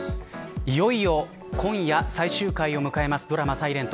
いよいよ今夜、最終回を迎えます、ドラマｓｉｌｅｎｔ。